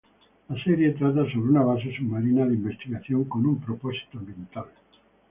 La serie trata sobre una base submarina de investigación con un propósito ambiental.